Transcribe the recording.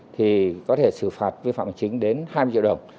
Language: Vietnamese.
thì có thể xử phạt vi phạm hành chính đến hai mươi triệu đồng